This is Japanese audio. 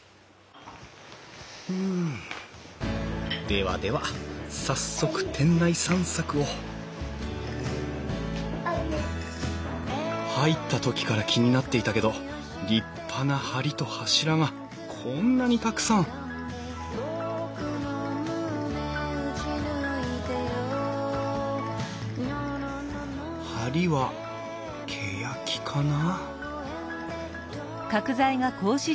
ではでは早速店内散策を入った時から気になっていたけど立派な梁と柱がこんなにたくさん梁はけやきかな？